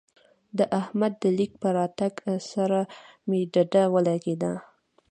د احمد د ليک په راتګ سره مې ډډه ولګېده.